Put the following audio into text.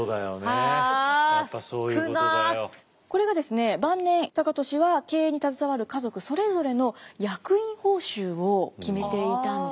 これがですね晩年高利は経営に携わる家族それぞれの役員報酬を決めていたんですね。